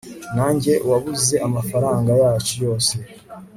ninjye wabuze amafaranga yacu yose